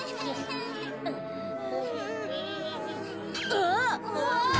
あっ！